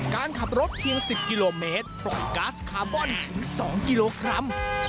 การขับรถเพียง๑๐กิโลเมตรปล่อยก๊าซคาร์บอนถึง๒กิโลกรัม